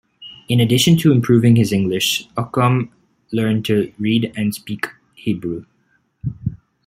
In addition to improving his English, Occom learned to read and speak Hebrew.